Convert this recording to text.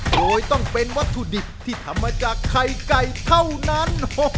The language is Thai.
โดยต้องเป็นวัตถุดิบที่ทำมาจากไข่ไก่เท่านั้น